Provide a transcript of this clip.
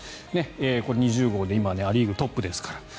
これ、２０号で今、ア・リーグトップですから。